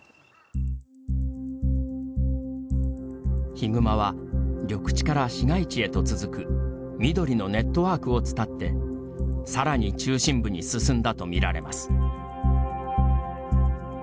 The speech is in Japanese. ヒグマは緑地から市街地へと続くみどりのネットワークを伝ってさらに中心部に進んだとみられます。